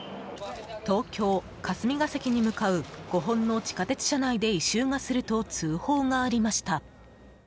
東京・霞が関に向かう５本の地下鉄車内で異臭がすると通報がありました。